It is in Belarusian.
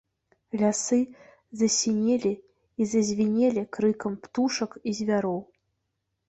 Лясы засінелі і зазвінелі крыкам птушак і звяроў.